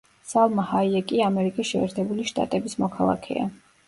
სალმა ჰაიეკი ამერიკის შეერთებული შტატების მოქალაქეა.